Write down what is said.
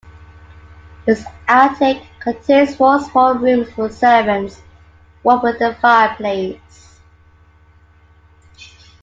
Its attic contains four small rooms for servants, one with a fireplace.